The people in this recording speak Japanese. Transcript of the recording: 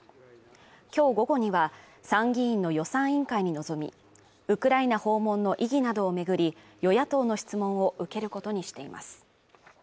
今日午後には参議院の予算委員会に臨み、ウクライナ訪問の意義などを巡り、与野党の質問を受けることにしています。